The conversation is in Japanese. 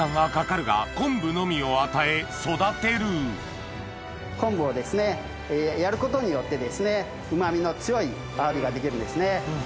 だが名人は昆布をやることによってですねうま味の強いアワビができるんですね。